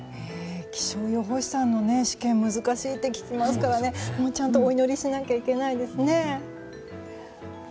気象予報士さんの試験は難しいって聞きますからね、ちゃんとお祈りしなきゃいけないですね。